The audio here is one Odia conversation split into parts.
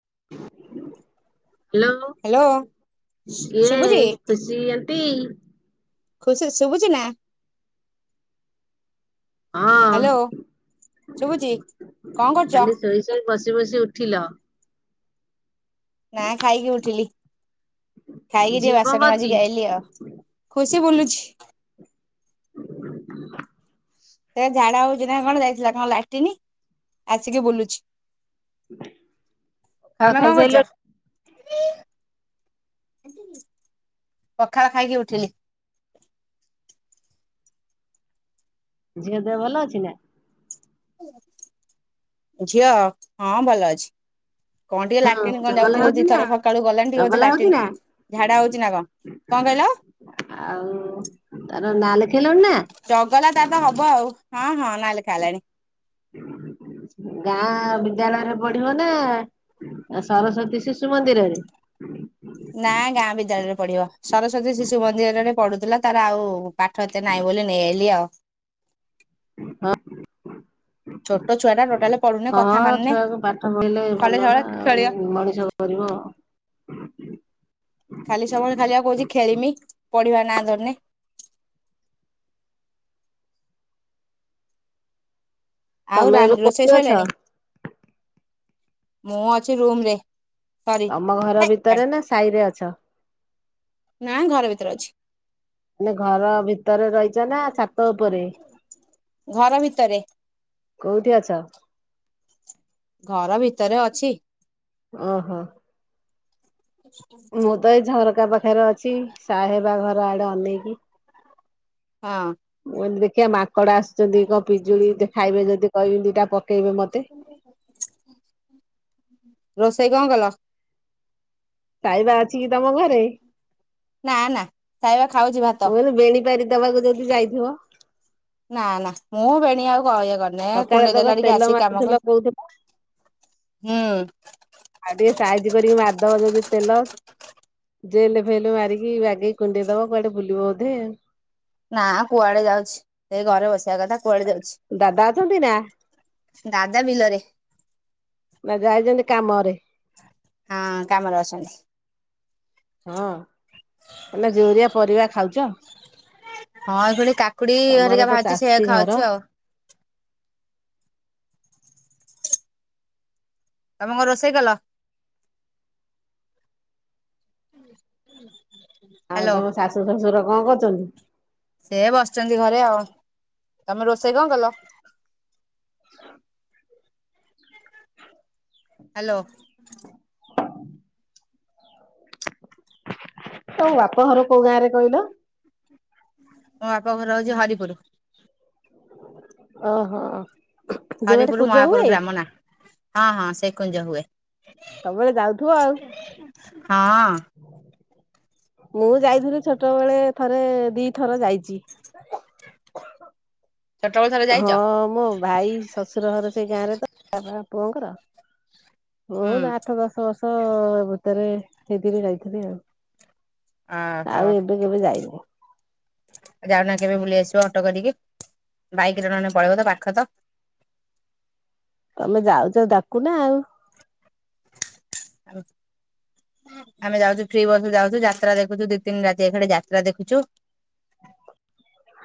[inaudible] ହ୍ୟାଲୋ ହ୍ୟାଲୋ ଶୁ ଶୁଭୁଛି ତି ଖୁସି ଶୁଭୁଛି ନା। ହଁ ହ୍ୟାଲୋ ଶୁଭୁଛି। କଣ କରୁଛ ଖାଲି ଶୋଇ ଶୋଇ ବସି ବସି ବସି ଉଠିଲ। ନା ଖାଇକି ଉଠିଲି। ଖାଇକି ଟିକେ ଝିଅ କଣ ବାସନ କରୁଛି? ମାଜିକି ଆଇଲି ଆଉ ଖୁସି ବୁଲୁଛି [inaudible] ସେ ଝାଡା ହଉଛି ନା କଣ ଯାଇଥିଲା ନା କଣ ଲାଟିିନି ଆସିକି ବୁଲୁଛି। ହଁ ତମେ କଣ କରୁଛ? ଖାଇସାରିଲାଣି। ପଖାଳ ଖାଇକି ଉଠିଲି। ଝିଅ ଦେହ ଭଲ ଅଛି ନା। ଝିଅ ହଁ ଭଲ ଅଛି। କଣ ଟିକେ ହଁ ଲାଟିନ୍ କଣ ଚଗଲା ଯାଉଚି ହଉଛି ଯେ ନା ଥର ସକାଳୁ ଗଲାଣି ଟିକେ ବୋଧେ ଚଗଲା ହଉଛି ଲାଟିନ୍ ନା ଝାଡା ହଉଛି ନା କଣ, କଣ କହିଲ? ହଁ ନା ଲେଖେ ଚଗଲା ତାର ତ ହବ ଆଉ ହଁ ହଁ। ନାଁ ଲେଖା ହେଲାଣି ଗାଁ ବିଦ୍ୟାଳୟରେ ପଢିବ ନା ଆ ସରସ୍ଵତୀ ଶିଶୁ ମନ୍ଦିରରେ? ନା ଗାଁ ବିଦ୍ୟାଳୟରେ ପଢିବ, ସରସ୍ଵତୀ ଶିଶୁ ମନ୍ଦିରରେ ପଢୁଥିଲା ତାର ଆଉ ପାଠ ଏତେ ନାଇଁ ବୋଲି ନେଇ ଆଇଲି ଆଉ ଛୋଟ ଛୁଆ ଟା ଟୋଟାଲି ପଢୁନି ହଁ କଥା ହଁ ମାନୁନି ଛୁଆକୁ ପାଠ ପଢିଲେ ଖାଲି ଭଲ ସବୁବେଳେ ନା ଖେଳିବ ଆଉ ମଣିଷ କରିବ। ଖାଲି ସବୁ ବେଳେ ଖାଲି ଆ କହୁଛି ଖେଳିମି ପଢିବା ର ନା ଧରୁନି। ଆଉ ତମେ ରା ଏବେ ରୋଷେଇ କଉଠି ଅଛ? ସଇଲାଣି ମୁଁ ଅଛି ରୁମ୍ ରେ। ସରି ତମ ଘର ହେ ଭିତରେ କାଟ୍ ନା ସାହିରେ ଅଛ, ନା ଘର ଭିତରେ ଅଛି ନା ଘର ଭିତରେ ରହିଛ ନା ଛାତ ଉପରେ? ଘର ଭିତରେ କୋଉଠି ଅଛ? ଘର ଭିତରେ ଅଛି। ଓହୋ। ମୁ ତ ଏ ଝରକ୍ କା ପାଖରେ ଅଛି ସାହେ ବା ଘର ଆଡେ ଅନେଇକି। ହଁ। କେ ମା କଡା ଆସୁଛନ୍ତି କ ପିଜୁଳି ଦେ ଖାଇବେ ଯଦି କହିବି ଦିଟା ପ ରୋଶ୍ ସେଇ କଣ କଲ? ଖାଇବା ଅଛି କି ତମ ଘରେ? ନା ନା ଖାଇବା ଖାଉଛି ଭାତ ମୁଁ କହିଲି ବେଣି ପାରି ଦବାକୁ ଯଦି ଯାଇଥିବ। ନା ନା ମୁଁ ବେଣୀ ଆଉ କରିଆ ଗଲେ ସକାଳେ କୁଣ୍ଡେଇ ତକ ଦେଲା ଟିକେ ତେଲ ଆସିିକି କାମ ମାରୁଥିଲ କର୍ କହୁଥିଲ ହୁଁ। ଆଉ ଟିକେ ସାଇଜ କରିକି ମାରିଦବ ଯଦି ତେଲ ଜେଲ ଏ ଫେଲ ଏ ମାରିକି ବାଗେଇକି କୁଣ୍ଡେଇ ଦବ କୁଆଡେ ବୁଲିବ ବୋଧେ ଆଉ। ନା କୁଆଡେ ଯାଉଛି, ସେଇ ଘରେ ବସିବା କଥା କୁଆଡେ ଯାଉଛି? ଦାଦା ଅଛନ୍ତି ନା ଦାଦା ବିଲରେ। ନା ଯାଇଛନ୍ତି କାମରେ। ହଁ କାମରେ ଅଛନ୍ତି ହଁ, ମାନେ ଜୁରିଆ ପରିବା ଖାଉଛ? ହଁ ପୁଣି କାକୁଡି ଇ ତମର ହରିକା ତ ବାହାର୍ ଛି ସେୟା ଚାଷୀ ଘର। ଖାଉଛୁ ଆଉ। ତମେ କଣ ରୋଷେଇ କଲ? ଆଉ ହ୍ୟାଲୋ ତମ ଶାଶୁ ଶ୍ୱଶୁର କଣ କରୁଛ ଚାଲୁ ସେ ବସିଛନ୍ତି ଘରେ ଆଉ ତମେ ରୋଷେଇ କଣ କଲ? ହ୍ୟାଲୋ। ତୋ ବାପ ଘର କୋଉ ଗାଁରେ କହିଲ? ମୋ ବାପା ଘର ରଉଛି ହରିପୁର। ଓ ହୋ। ହରିପୁର ମହାପୁର ଗ୍ରାମ ନା। ହଁ ହଁ ସେ କୁଞ୍ଜ ହୁଏ। ସବୁବେଳେ ଯାଉଥିବ ଆଉ। ହୁଁ। ମୁଁ ଯାଇଥିଲି, ଛୋଟବେେଳେ ଥରେ ଦିଥର ଯାଇଛି। ଛୋଟବେଳୁ ଥରେ ଯାଇଛ ହଁ ମୋ ଭାଇ ଶ୍ୱଶୁର ଘର। ସେଇ ଗାଁରେ ତ ବାବା ପୁଅଙ୍କର। ହୋ ହୁଁ ଆଠ ଦଶ ବର୍ଷ ହେବ। ଭିତରେ ସେଥିରେ ଯାଇଥିଲି ଆଉ। ଓହୋ ଆଉ, ଏବେ କେବେ ଯାଇନି। ଯାଉନା କେବେ ବୁଲି ଆସିବ ଅଟୋ କରିକି? ବାଇକ୍‌ରେ ନହେନେ ପଳେଇବ। ତ, ପାଖ ତ। ତମେ ଯାଉଛ, ଡାକୁନା ଆଉ। ଆମେ ଯାଉଛୁ, ଫ୍ରି ବସ୍‌ ଯାଉଛୁ, ଯାତ୍ରା ଦେଖୁଛୁ। ଦି ତିନି ରାତି ଏଖାଠେ ଯାତ୍ରା ଦେଖୁଛୁ।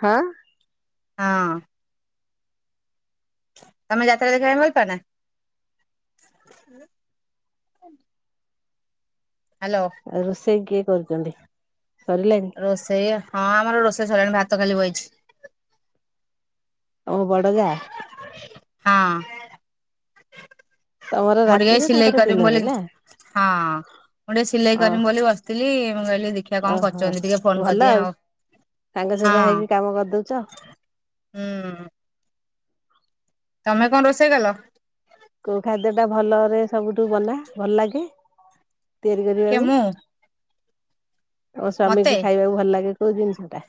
ହାଁ। ହଁ। ତମେ ଯାତ୍ରା ଦେଖାଇ [unintelligible] ନା? ହ୍ୟାଲୋ ରୋଷେଇ କି କରୁଛନ୍ତି। ସରିଲାଣି? ରୋଷେଇ ହଁ ଆମର ରୋଷ୍ ସରିଲାଣି। ଭାତ ଖାଲି ବଇଛି। ଓ ବଡ଼ ଯା। ହଁ। ତମର ମୁଁ ଟିକେ ରାତିରେ ସିଲେଇ ତାଙ୍କର କରିମି ବୋଲି, ଦିନରେ ନା? ହଁ ମୁଁ ଟିକେ ସିଲେଇ ହଁ। କରିମି ବୋଲି ବସିଥିଲି। ମୁଁ କହିଲି ଦେଖିବା କଣ ଓହୋ କରୁଛନ୍ତି? ଟିକେ ଫୋନ୍‌ କରିଦିଏ ଆଉ ହଁ ସାଙ୍ଗସୁଙ୍ଗା ହେଇକି କାମ କରିଦଉଛ। ହୁଁ। ତମେ କଣ ରୋଷେଇ କଲ? କୋଉ ଖାଦ୍ୟ ଟା ଭଲରେ ସବୁ କୁ ବନା ଭଲ ଲାଗେ? ତିଆରି କିଏ କରିବାକୁ। ମୁଁ ତମ ମତେ! ସ୍ଵାମୀଙ୍କୁ ଖାଇବାକୁ ଭଲ ଲାଗେ କୋଉ ଜିନିଷ ଟା?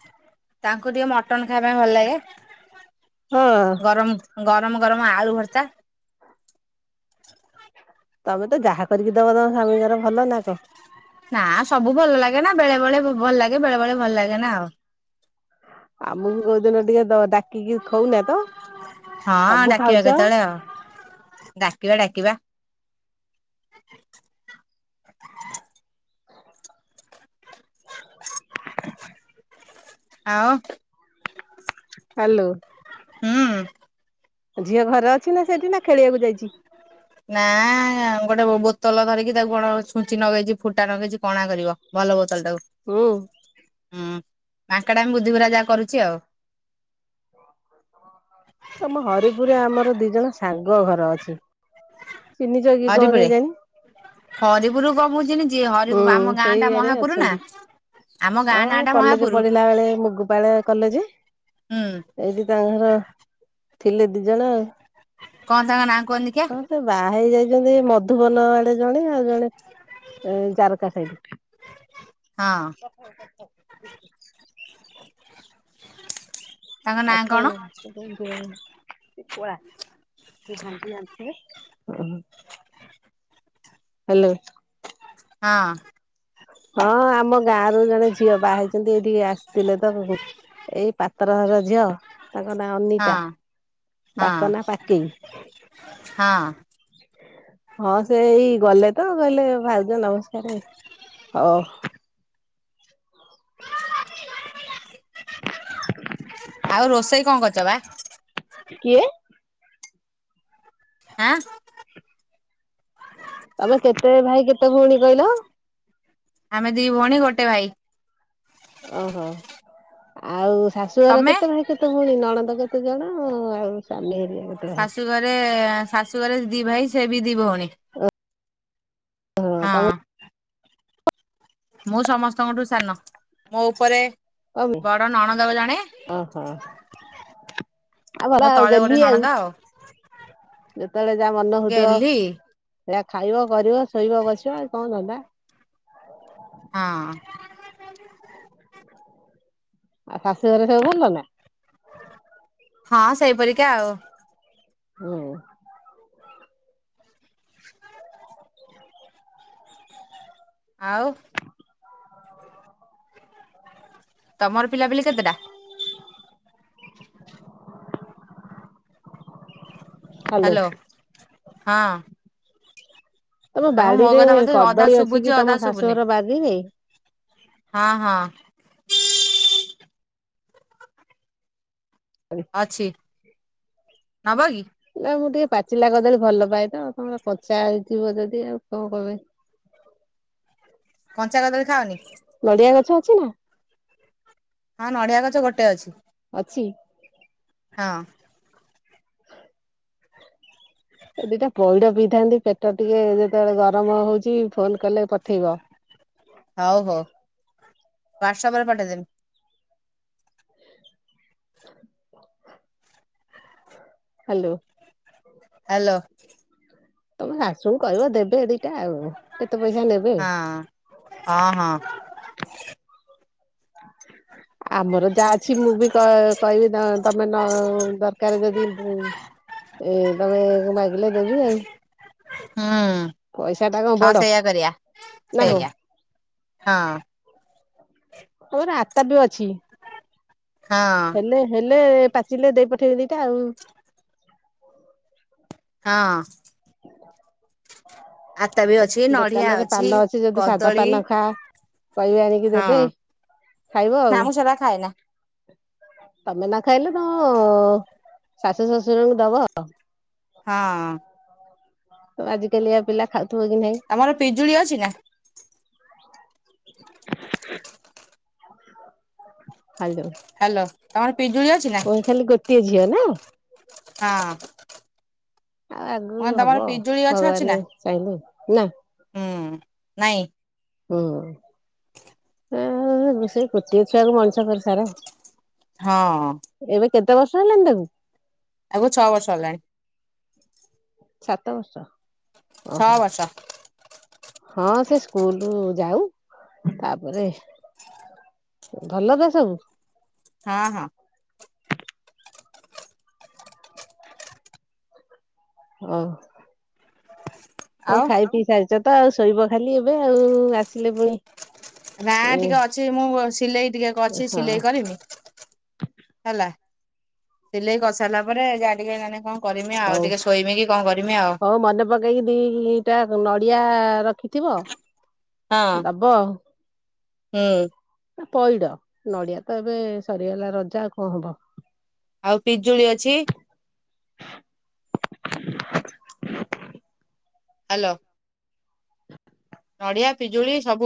ତାଙ୍କୁ ଟିକେ ମଟନ୍‌ ଖାଇ ପାଇଁ ଭଲ ଲାଗେ। ହଁ ଗରମ ଗର ଗରମ ଗରମ ଆଳୁ ଭର୍ତା। ତମେ ତ ଯାହା କରିକି ଦବ ତମ ସ୍ୱାମୀଙ୍କର ଭଲ ନା କଣ? ନା ସବୁ ଭଲ ଲାଗେନା। ବେଳେ ବେଳେ ଭଲ ଲାଗେ, ବେଳେ ବେଳେ ଭଲ ଲାଗେ ନା ଆଉ। ଆମକୁ କୋଉଦିନ ଟିକେ ଦ ଡାକିକି ଖାଉନା ତ ହଁ ସବୁ ଡାକିବା ଖାଉଛ। କେତେବେଳେ ଆଉ? ଡାକିବା ଡାକିବା। [inaudible] [inaudible] ଆଉ, ହାଲୁ। ହୁଁ। ଝିଅ ଘରେ ଅଛି ନା ସେଇଠି! ନା ଖେଳିବାକୁ ଯାଇଛି। ନାଁ- ଆଁ ଗୋଟେ ବୋତଲ ଧରିକି ତାକୁ କଣ ଛୁଞ୍ଚି ନଗେଇଛି, ଫୁଟା ନଗେଇଛି। କଣା କରିବ। ଭଲ ବୋତଲ ଟାକୁ ହୁଁ ହୁଁ। ମାଙ୍କଡାମି ବୁଧିଗୁରା ଯାହା କରୁଛି ଆଉ। ତମ ହରିପୁରେ ଆମର ଦିଇ ଜଣ। ସାଙ୍ଗ ଘର ଅଛି। ଚିହ୍ନିଛ କି କଣ ହରିପୁରେ କେଜାଣି? ହରିପୁର କମୁଛି। ହୁଁ ସେଇଆଡେ ଅଛନ୍ତି ଆମ ଗାଁ ନାଁ ହଁ ଟା କଲେଜ ମହାପୁର ପଢିଲା ବେଳେ ମୁଗୁପାଳ କଲେ ଯେ ହୁଁ ଏଇଠି ତାଙ୍କ ଘର। ଥିଲେ ଦି ଜଣ। କଣ ତା କ ନା? ହଁ ସେ ବାହା ହେଇଯାଇ ମଧୁବନ ଆଡେ ଜଣେ ଆଉ। ଜେ ଜାରକା ସାଇଟି। ହଁ [inaudible] ତାଙ୍କ ନାଁ ଆଖ ହେ କଣ ଲାଗଛି। ହ୍ୟାଲୋ। ହଁ। ହଁ ଆମ ଗାଁ ର ଜଣେ ଝିଅ ବା ହେଇଛନ୍ତି ଏଇଠିକେ ଆସିଥିଲେ ତ ଏଇ ପାତ୍ର ଘର ଝିଅ। ତାଙ୍କ ନାଁ ହଁ ଅନିତା ହଁ ତାଙ୍କ ନାଁ ପାକେଇ। ହଁ ହଁ ସେଇ ଗଲେ ତ କହିଲେ ଭାଉଜ ନମସ୍କାରେ ହଉ। [inaudible] ଆଉ ରୋଷେଇ କଣ କରିଚ? ଦବା। କିଏ? ଆଁ। ତମେ କେତେ ଭାଇ କେତେ ଭଉଣୀ କହିଲ? ଆମେ ଦିଇ ଭଉଣୀ ଗୋଟେ ଭାଇ। ଓହୋ ଆଉ ଶାଶୁଆର ତମେ କେତେ ଭାଇ କେତେ ଭଉଣୀ ନଣନ୍ଦ କେତ୍ [inaudible] ଜଣ ଆଉ ଚଲିଗଲେଣ ଶାଶୁ ଘରେ ଶାଶୁଘରେ ଦି ଭାଇ। ସିଏ ବି ଦି ଭଉଣୀ। [unintelligible] ହଁ। ମୁଁ ସମସ୍ତଙ୍କଠୁ ସାନ ମୋ ଉପରେ [inaudible] ଓହୋ ବଡ ନଣନ୍ଦ ଜଣେ ଆଉ ଭଲ ମୋ ଆଉ ତଳେ ଗୋଟେ ଗେହ୍ଲି ଆଉ ନଣନ୍ଦ ଯେତେବେଳେ ଯା ମନ ହଉଥୁବ ଗେହ୍ଲି ଜା ଖାଇବ କରିବ ଶୋଇବ ବସିବ ଆଉ କଣ ଧନ୍ଦା। ହଁ। ଆଉ ଶାଶୁ ଘରେ ସବୁ ଭଲ ନା? ହଁ ସେଇପରିକା ଆଉ। ହଁ। ଆଉ? ତମର ପିଲା ପିଲୀ କେତେଟା? ହାଲୋ। ହ୍ୟାଲୋ ହଁ। ତମ ମୋ ବାଡିରେ କଥା ବୋଧେ ଅଧା କଦଳୀ ଅଛି ଶୁଭୁଛି କି ଅଧା ତମ ଶୁଭୁନି ଶାଶୁଘର ବାରିରେ? ହଁ ହଁ। ଅଛି। ନବ କି? ହେଲା ମୁଁ ଟିକେ ପାଚିଲା କଦଳୀ ଭଲ ପାଏ ତ। ଆପଣଂକ କଚା ହେଇଥିବ ଯଦି ଆଉ କଣ କଇବେ? ଞ୍ଚା କଦଳୀ ଖାଅନି? ଛି ନା। ହଁ ନଡ଼ିଆ ଗଛ ଗୋଟେ ଅଛି। ଅଛି। ହଁ। [unintelligible] ଏ ଦିଟା ପଇଡ ପିଇଥାନ୍ତି ପେଟ ଟିକେ ଯେତେବେଳେ ଗରମ ହଉଚି। ଫୋନ କଲେ ପଠେଇବ। ହୁଆଟ୍ସ୍ଆପ୍ ରେ ପଠେଇ ଦେମି। ହାଲୋ। ହେଲୋ। ତମ ଶାଶୁଙ୍କୁ କହିବ ଦେବେ ଦେ ଟା ଆଉ କେତେ ପଇସା ନେବେ। ହଁ ହଁ ହଁ [inaudible] [inaudible] ଆମର ଯାହା ଅଛି ମୁଁ ବି କ କହିବି ତମ ତମେ ନ ଦରକାର ଯଦି ଏ ତମେ ମାଗିଲେ ଦେବି ଆଉ। [inaudible] ହୁଁ ପଇସା ଟା କଣ ହଁ ବଡ ସେଇଆ କରିବା। ନା କଣ? ସେଆ ହଁ। ଆମର ଆତାପି ଅଛି। ହଁ ହେଲେ ହେଲେ ପା ଚିଲେ ଦେଇ ପଠେଇବି ଦିଟା ଆଉ। ହଁ। [inaudible] ଆତାବି ଅଛି, ନଡିଆ ଦୋକାନରେ ପାନ ଅଛି, ଯଦି ସାଧା କଦଳୀ ପାନ ଖା କହିବେ ଆଣିକି ହଁ ଦେବେ ଖାଇବ ନା ଆଉ। ମୁଁ ସେରା ଖାଏନା। ତମେ ନ ଖାଇଲେ ତମ ଶାଶୁ ଶଶୁରଙ୍କୁ ଦବ। ହଁ। ତ ଆଜିକାଲିଆ ପିଲା ଖାଉ ତମର ପିଜୁଳି ଅଛି ନା? [inaudible] ହାଲୋ ହ୍ୟାଲୋ ତମର ପିଜୁଳି ଅଛି ନା। ପୁଣି ଖାଲି ଗୋଟିଏ ଝିଅ ନାହିଁ। ହଁ। ଆଉ ଆଗକୁ ମୁଁ କହିଲି ତମର ହବ ପିଜୁଳି ଗଛ ଭଗବାନ ଅଛି ନା ଯଦି ଚାହିଁଲେ। ନା। ହୁଁ, ନାଇଁ। ହୁଁ ଆ ସେଇ ଗୋଟିଏ ଛୁଆକୁ ମଣିଷ କରି ସାର। ହଁ। କେତେ ବର୍ଷ ହେଲାଣି ତାକୁ? ତାକୁ ଛଅ ବର୍ଷ ହେଲାଣି। ସାତ ବର୍ଷ ଛଅ ଓହୋ ବର୍ଷ। ହଁ ସେ ସ୍କୁଲ ଯାଉ, ତାପରେ ଭଲ ତ ସବୁ। ହଁ ହଁ। ଓହୋ। ହଉ ଆଉ ଖାଇପିଇ ସାରିଛ ତ ତ ଆଉ ଶୋଇବ ଖାଲି ଏବେ ଆଉ, ଆସିଲେ ପୁଣି ନା ଏ ଟିକେ ଅଛି ମୁଁ ସିଲେଇ ଟିକେ ଅଛି ହଁ ସିଲେଇ କରିବି ହେଲା। ସିଲେଇ କରିସାରିଲା ପରେ ଯାହା ଟିକେ ମାନେ କଣ କରିମି ଆଉ, ହଉ ଟିକେ ଶୋଇମି କି କଣ କରିମି? ଆଉ ହଉ ମନେ ପକେଇକି ଦିଟା ନଡିଆ ରଖିଥିବ। ହଁ ଦବ ହୁଁ। ପଇଡ, ନଡିଆ ତ ଏବେ ସରିଗଲା ରଜା ଆଉ କଣ ହବ? ଆଉ ପିଜୁଳି ଅଛି। ହ୍ୟାଲୋ। ନଡିଆ, ପିଜୁଳି ସବୁ